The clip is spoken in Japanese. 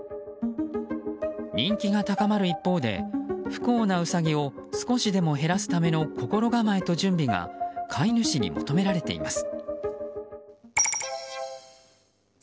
人気が高まる一方で不幸なウサギを少しでも減らすための心構えと準備が飼い主に求められています。